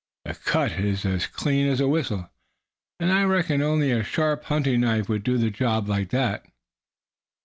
"The cut is as clean as a whistle, and I reckon only a sharp hunting knife would do the job like that."